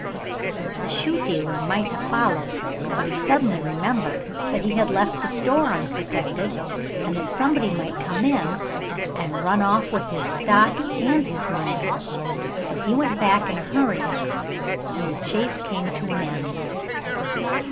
The shoe dealer might have followed, but he suddenly remembered that he had left the store unprotected and that somebody might come in and run off with his stock and his money. So he went back in a hurry; and the chase came to an end.